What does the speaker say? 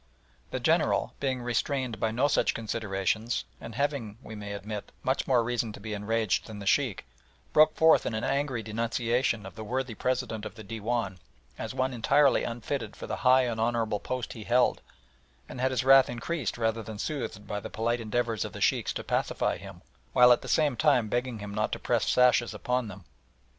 The General, being restrained by no such considerations, and having, we may admit, much more reason to be enraged than the Sheikh, broke forth in an angry denunciation of the worthy President of the Dewan as one entirely unfitted for the high and honourable post he held, and had his wrath increased rather than soothed by the polite endeavours of the Sheikhs to pacify him, while at the same time begging him not to press the sashes upon them.